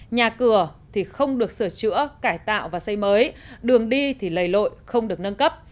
nhà cửa thì không được sửa chữa cải tạo và xây mới đường đi thì lầy lội không được nâng cấp